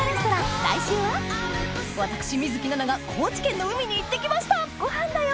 私水樹奈々が高知県の海に行ってきましたごはんだよ。